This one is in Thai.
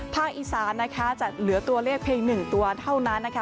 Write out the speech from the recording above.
อีสานนะคะจะเหลือตัวเลขเพียง๑ตัวเท่านั้นนะคะ